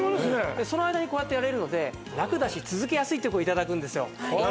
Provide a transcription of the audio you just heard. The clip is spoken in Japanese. その間にこうやってやれるので楽だし続けやすいっていう声頂くんですよ。